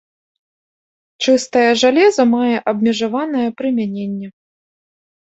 Чыстае жалеза мае абмежаванае прымяненне.